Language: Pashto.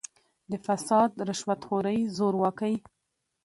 د «فساد، رشوت خورۍ، زورواکۍ